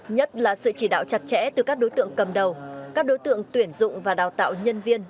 nhất là sự chỉ đạo chặt chẽ từ các đối tượng cầm đầu các đối tượng tuyển dụng và đào tạo nhân viên